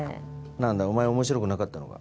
なんだお前は面白くなかったのか？